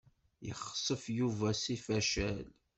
Yexsef Yuba seg facal.